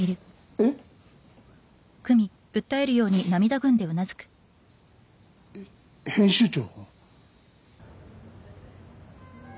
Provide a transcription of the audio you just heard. えっ編集長？